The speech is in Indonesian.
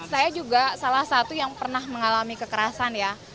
saya juga salah satu yang pernah mengalami kekerasan ya